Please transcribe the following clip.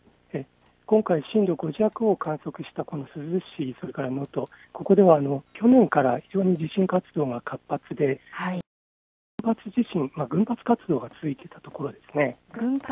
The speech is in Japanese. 今回、震度５弱を観測した珠洲市、能登、ここでは去年から非常に地震活動が活発で今、群発地震、群発活動が続いているところです。